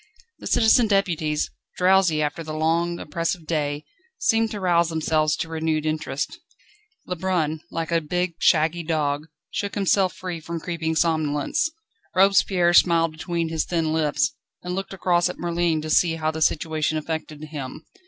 The citizen deputies, drowsy after the long, oppressive day, seemed to rouse themselves to renewed interest. Lebrun, like a big, shaggy dog, shook himself free from creeping somnolence. Robespierre smiled between his thin lips, and looked across at Merlin to see how the situation affected him.